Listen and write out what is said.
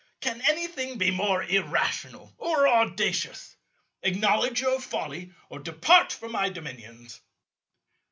Can anything be more irrational or audacious? Acknowledge your folly or depart from my dominions."